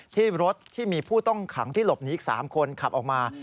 ที่รถที่มีผู้ต้องขังที่หลบหนีอีก๓คนขับออกมา